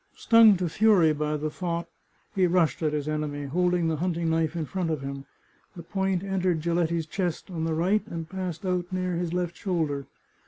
Stung to fury by the thought, he rushed at his enemy, holding the hunting knife in front of him. The point entered Giletti's chest on the right, and passed out near his left shoulder.